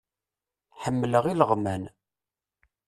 Ḥemmleɣ ileɣman.